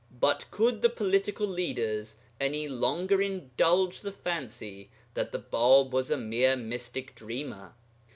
But could the political leaders any longer indulge the fancy that the Bāb was a mere mystic dreamer?